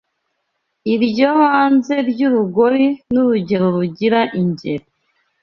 Iryo banze ry'urugori N'urugero rugira ingeri